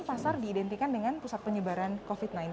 pasar diidentikan dengan pusat penyebaran covid sembilan belas